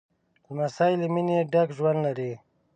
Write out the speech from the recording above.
لمسی له مینې ډک ژوند لري.